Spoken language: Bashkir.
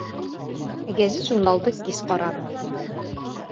Гәзит-журналды кис ҡарармын.